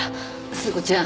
鈴子ちゃん